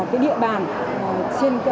cái địa bàn trên